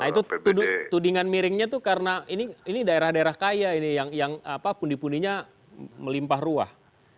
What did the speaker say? nah itu tudingan miringnya itu karena ini daerah daerah kaya ini yang pundi pundinya melimpah ruah